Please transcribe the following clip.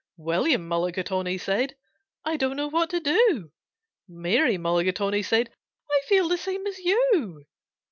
William Mulligatawny said, "I don't know what to do." Mary Mulligatawny said, "I feel the same as you."